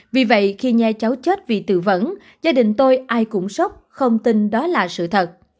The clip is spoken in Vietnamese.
vì vậy khi nghe cháu chết vì tự vẫn gia đình tôi ai cũng sốc không tin đó là sự thật